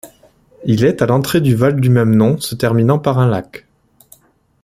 Il est à l'entrée du val du même nom se terminant par un lac.